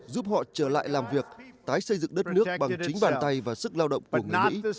giúp họ trở lại làm việc tái xây dựng đất nước bằng chính bàn tay và sức lao động của người mỹ